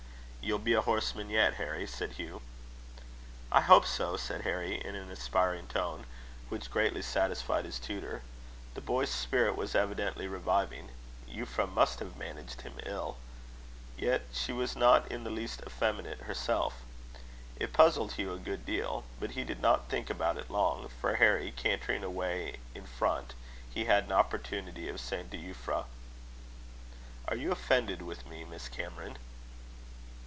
"You'll be a horseman yet, Harry," said Hugh. "I hope so," said Harry, in an aspiring tone, which greatly satisfied his tutor. The boy's spirit was evidently reviving. Euphra must have managed him ill. Yet she was not in the least effeminate herself. It puzzled Hugh a good deal. But he did not think about it long; for Harry cantering away in front, he had an opportunity of saying to Euphra: "Are you offended with me, Miss Cameron?"